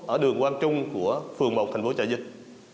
ở đường quang trung của phường một thành phố trà vinh